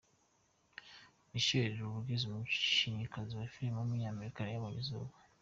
Michelle Rodriguez, umukinnyikazi wa filime w’umunyamerika yabonye izuba.